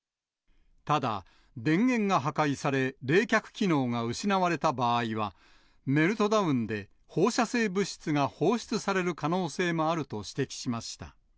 ただ、電源が破壊され、冷却機能が失われた場合は、メルトダウンで、放射性物質が放出される可能性もあると指摘しました。